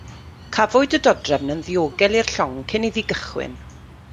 Cafwyd y dodrefn yn ddiogel i'r llong cyn iddi gychwyn.